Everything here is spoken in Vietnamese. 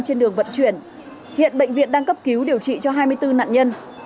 trên đường vận chuyển hiện bệnh viện đang cấp cứu điều trị cho hai mươi bốn nạn nhân